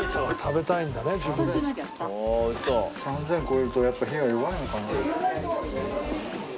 ３０００越えるとやっぱ火が弱いのかな？